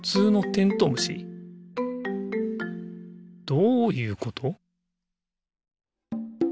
どういうこと？